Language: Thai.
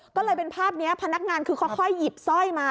ก็เลยเป็นภาพนี้พนักงานคือค่อยหยิบสร้อยมา